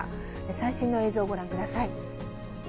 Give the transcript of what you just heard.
最新の映像、ご覧ください。